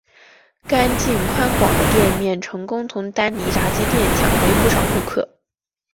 干净宽广的店面成功从丹尼炸鸡店抢回不少顾客。